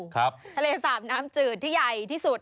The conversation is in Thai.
ทะเลสาบน้ำจืดที่ใหญ่ที่สุด